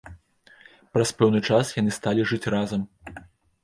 Праз пэўны час яны сталі жыць разам.